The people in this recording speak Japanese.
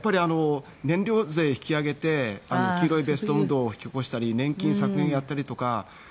燃料税を引き上げて黄色いベスト運動を引き起こしたり年金削減をやったりとか。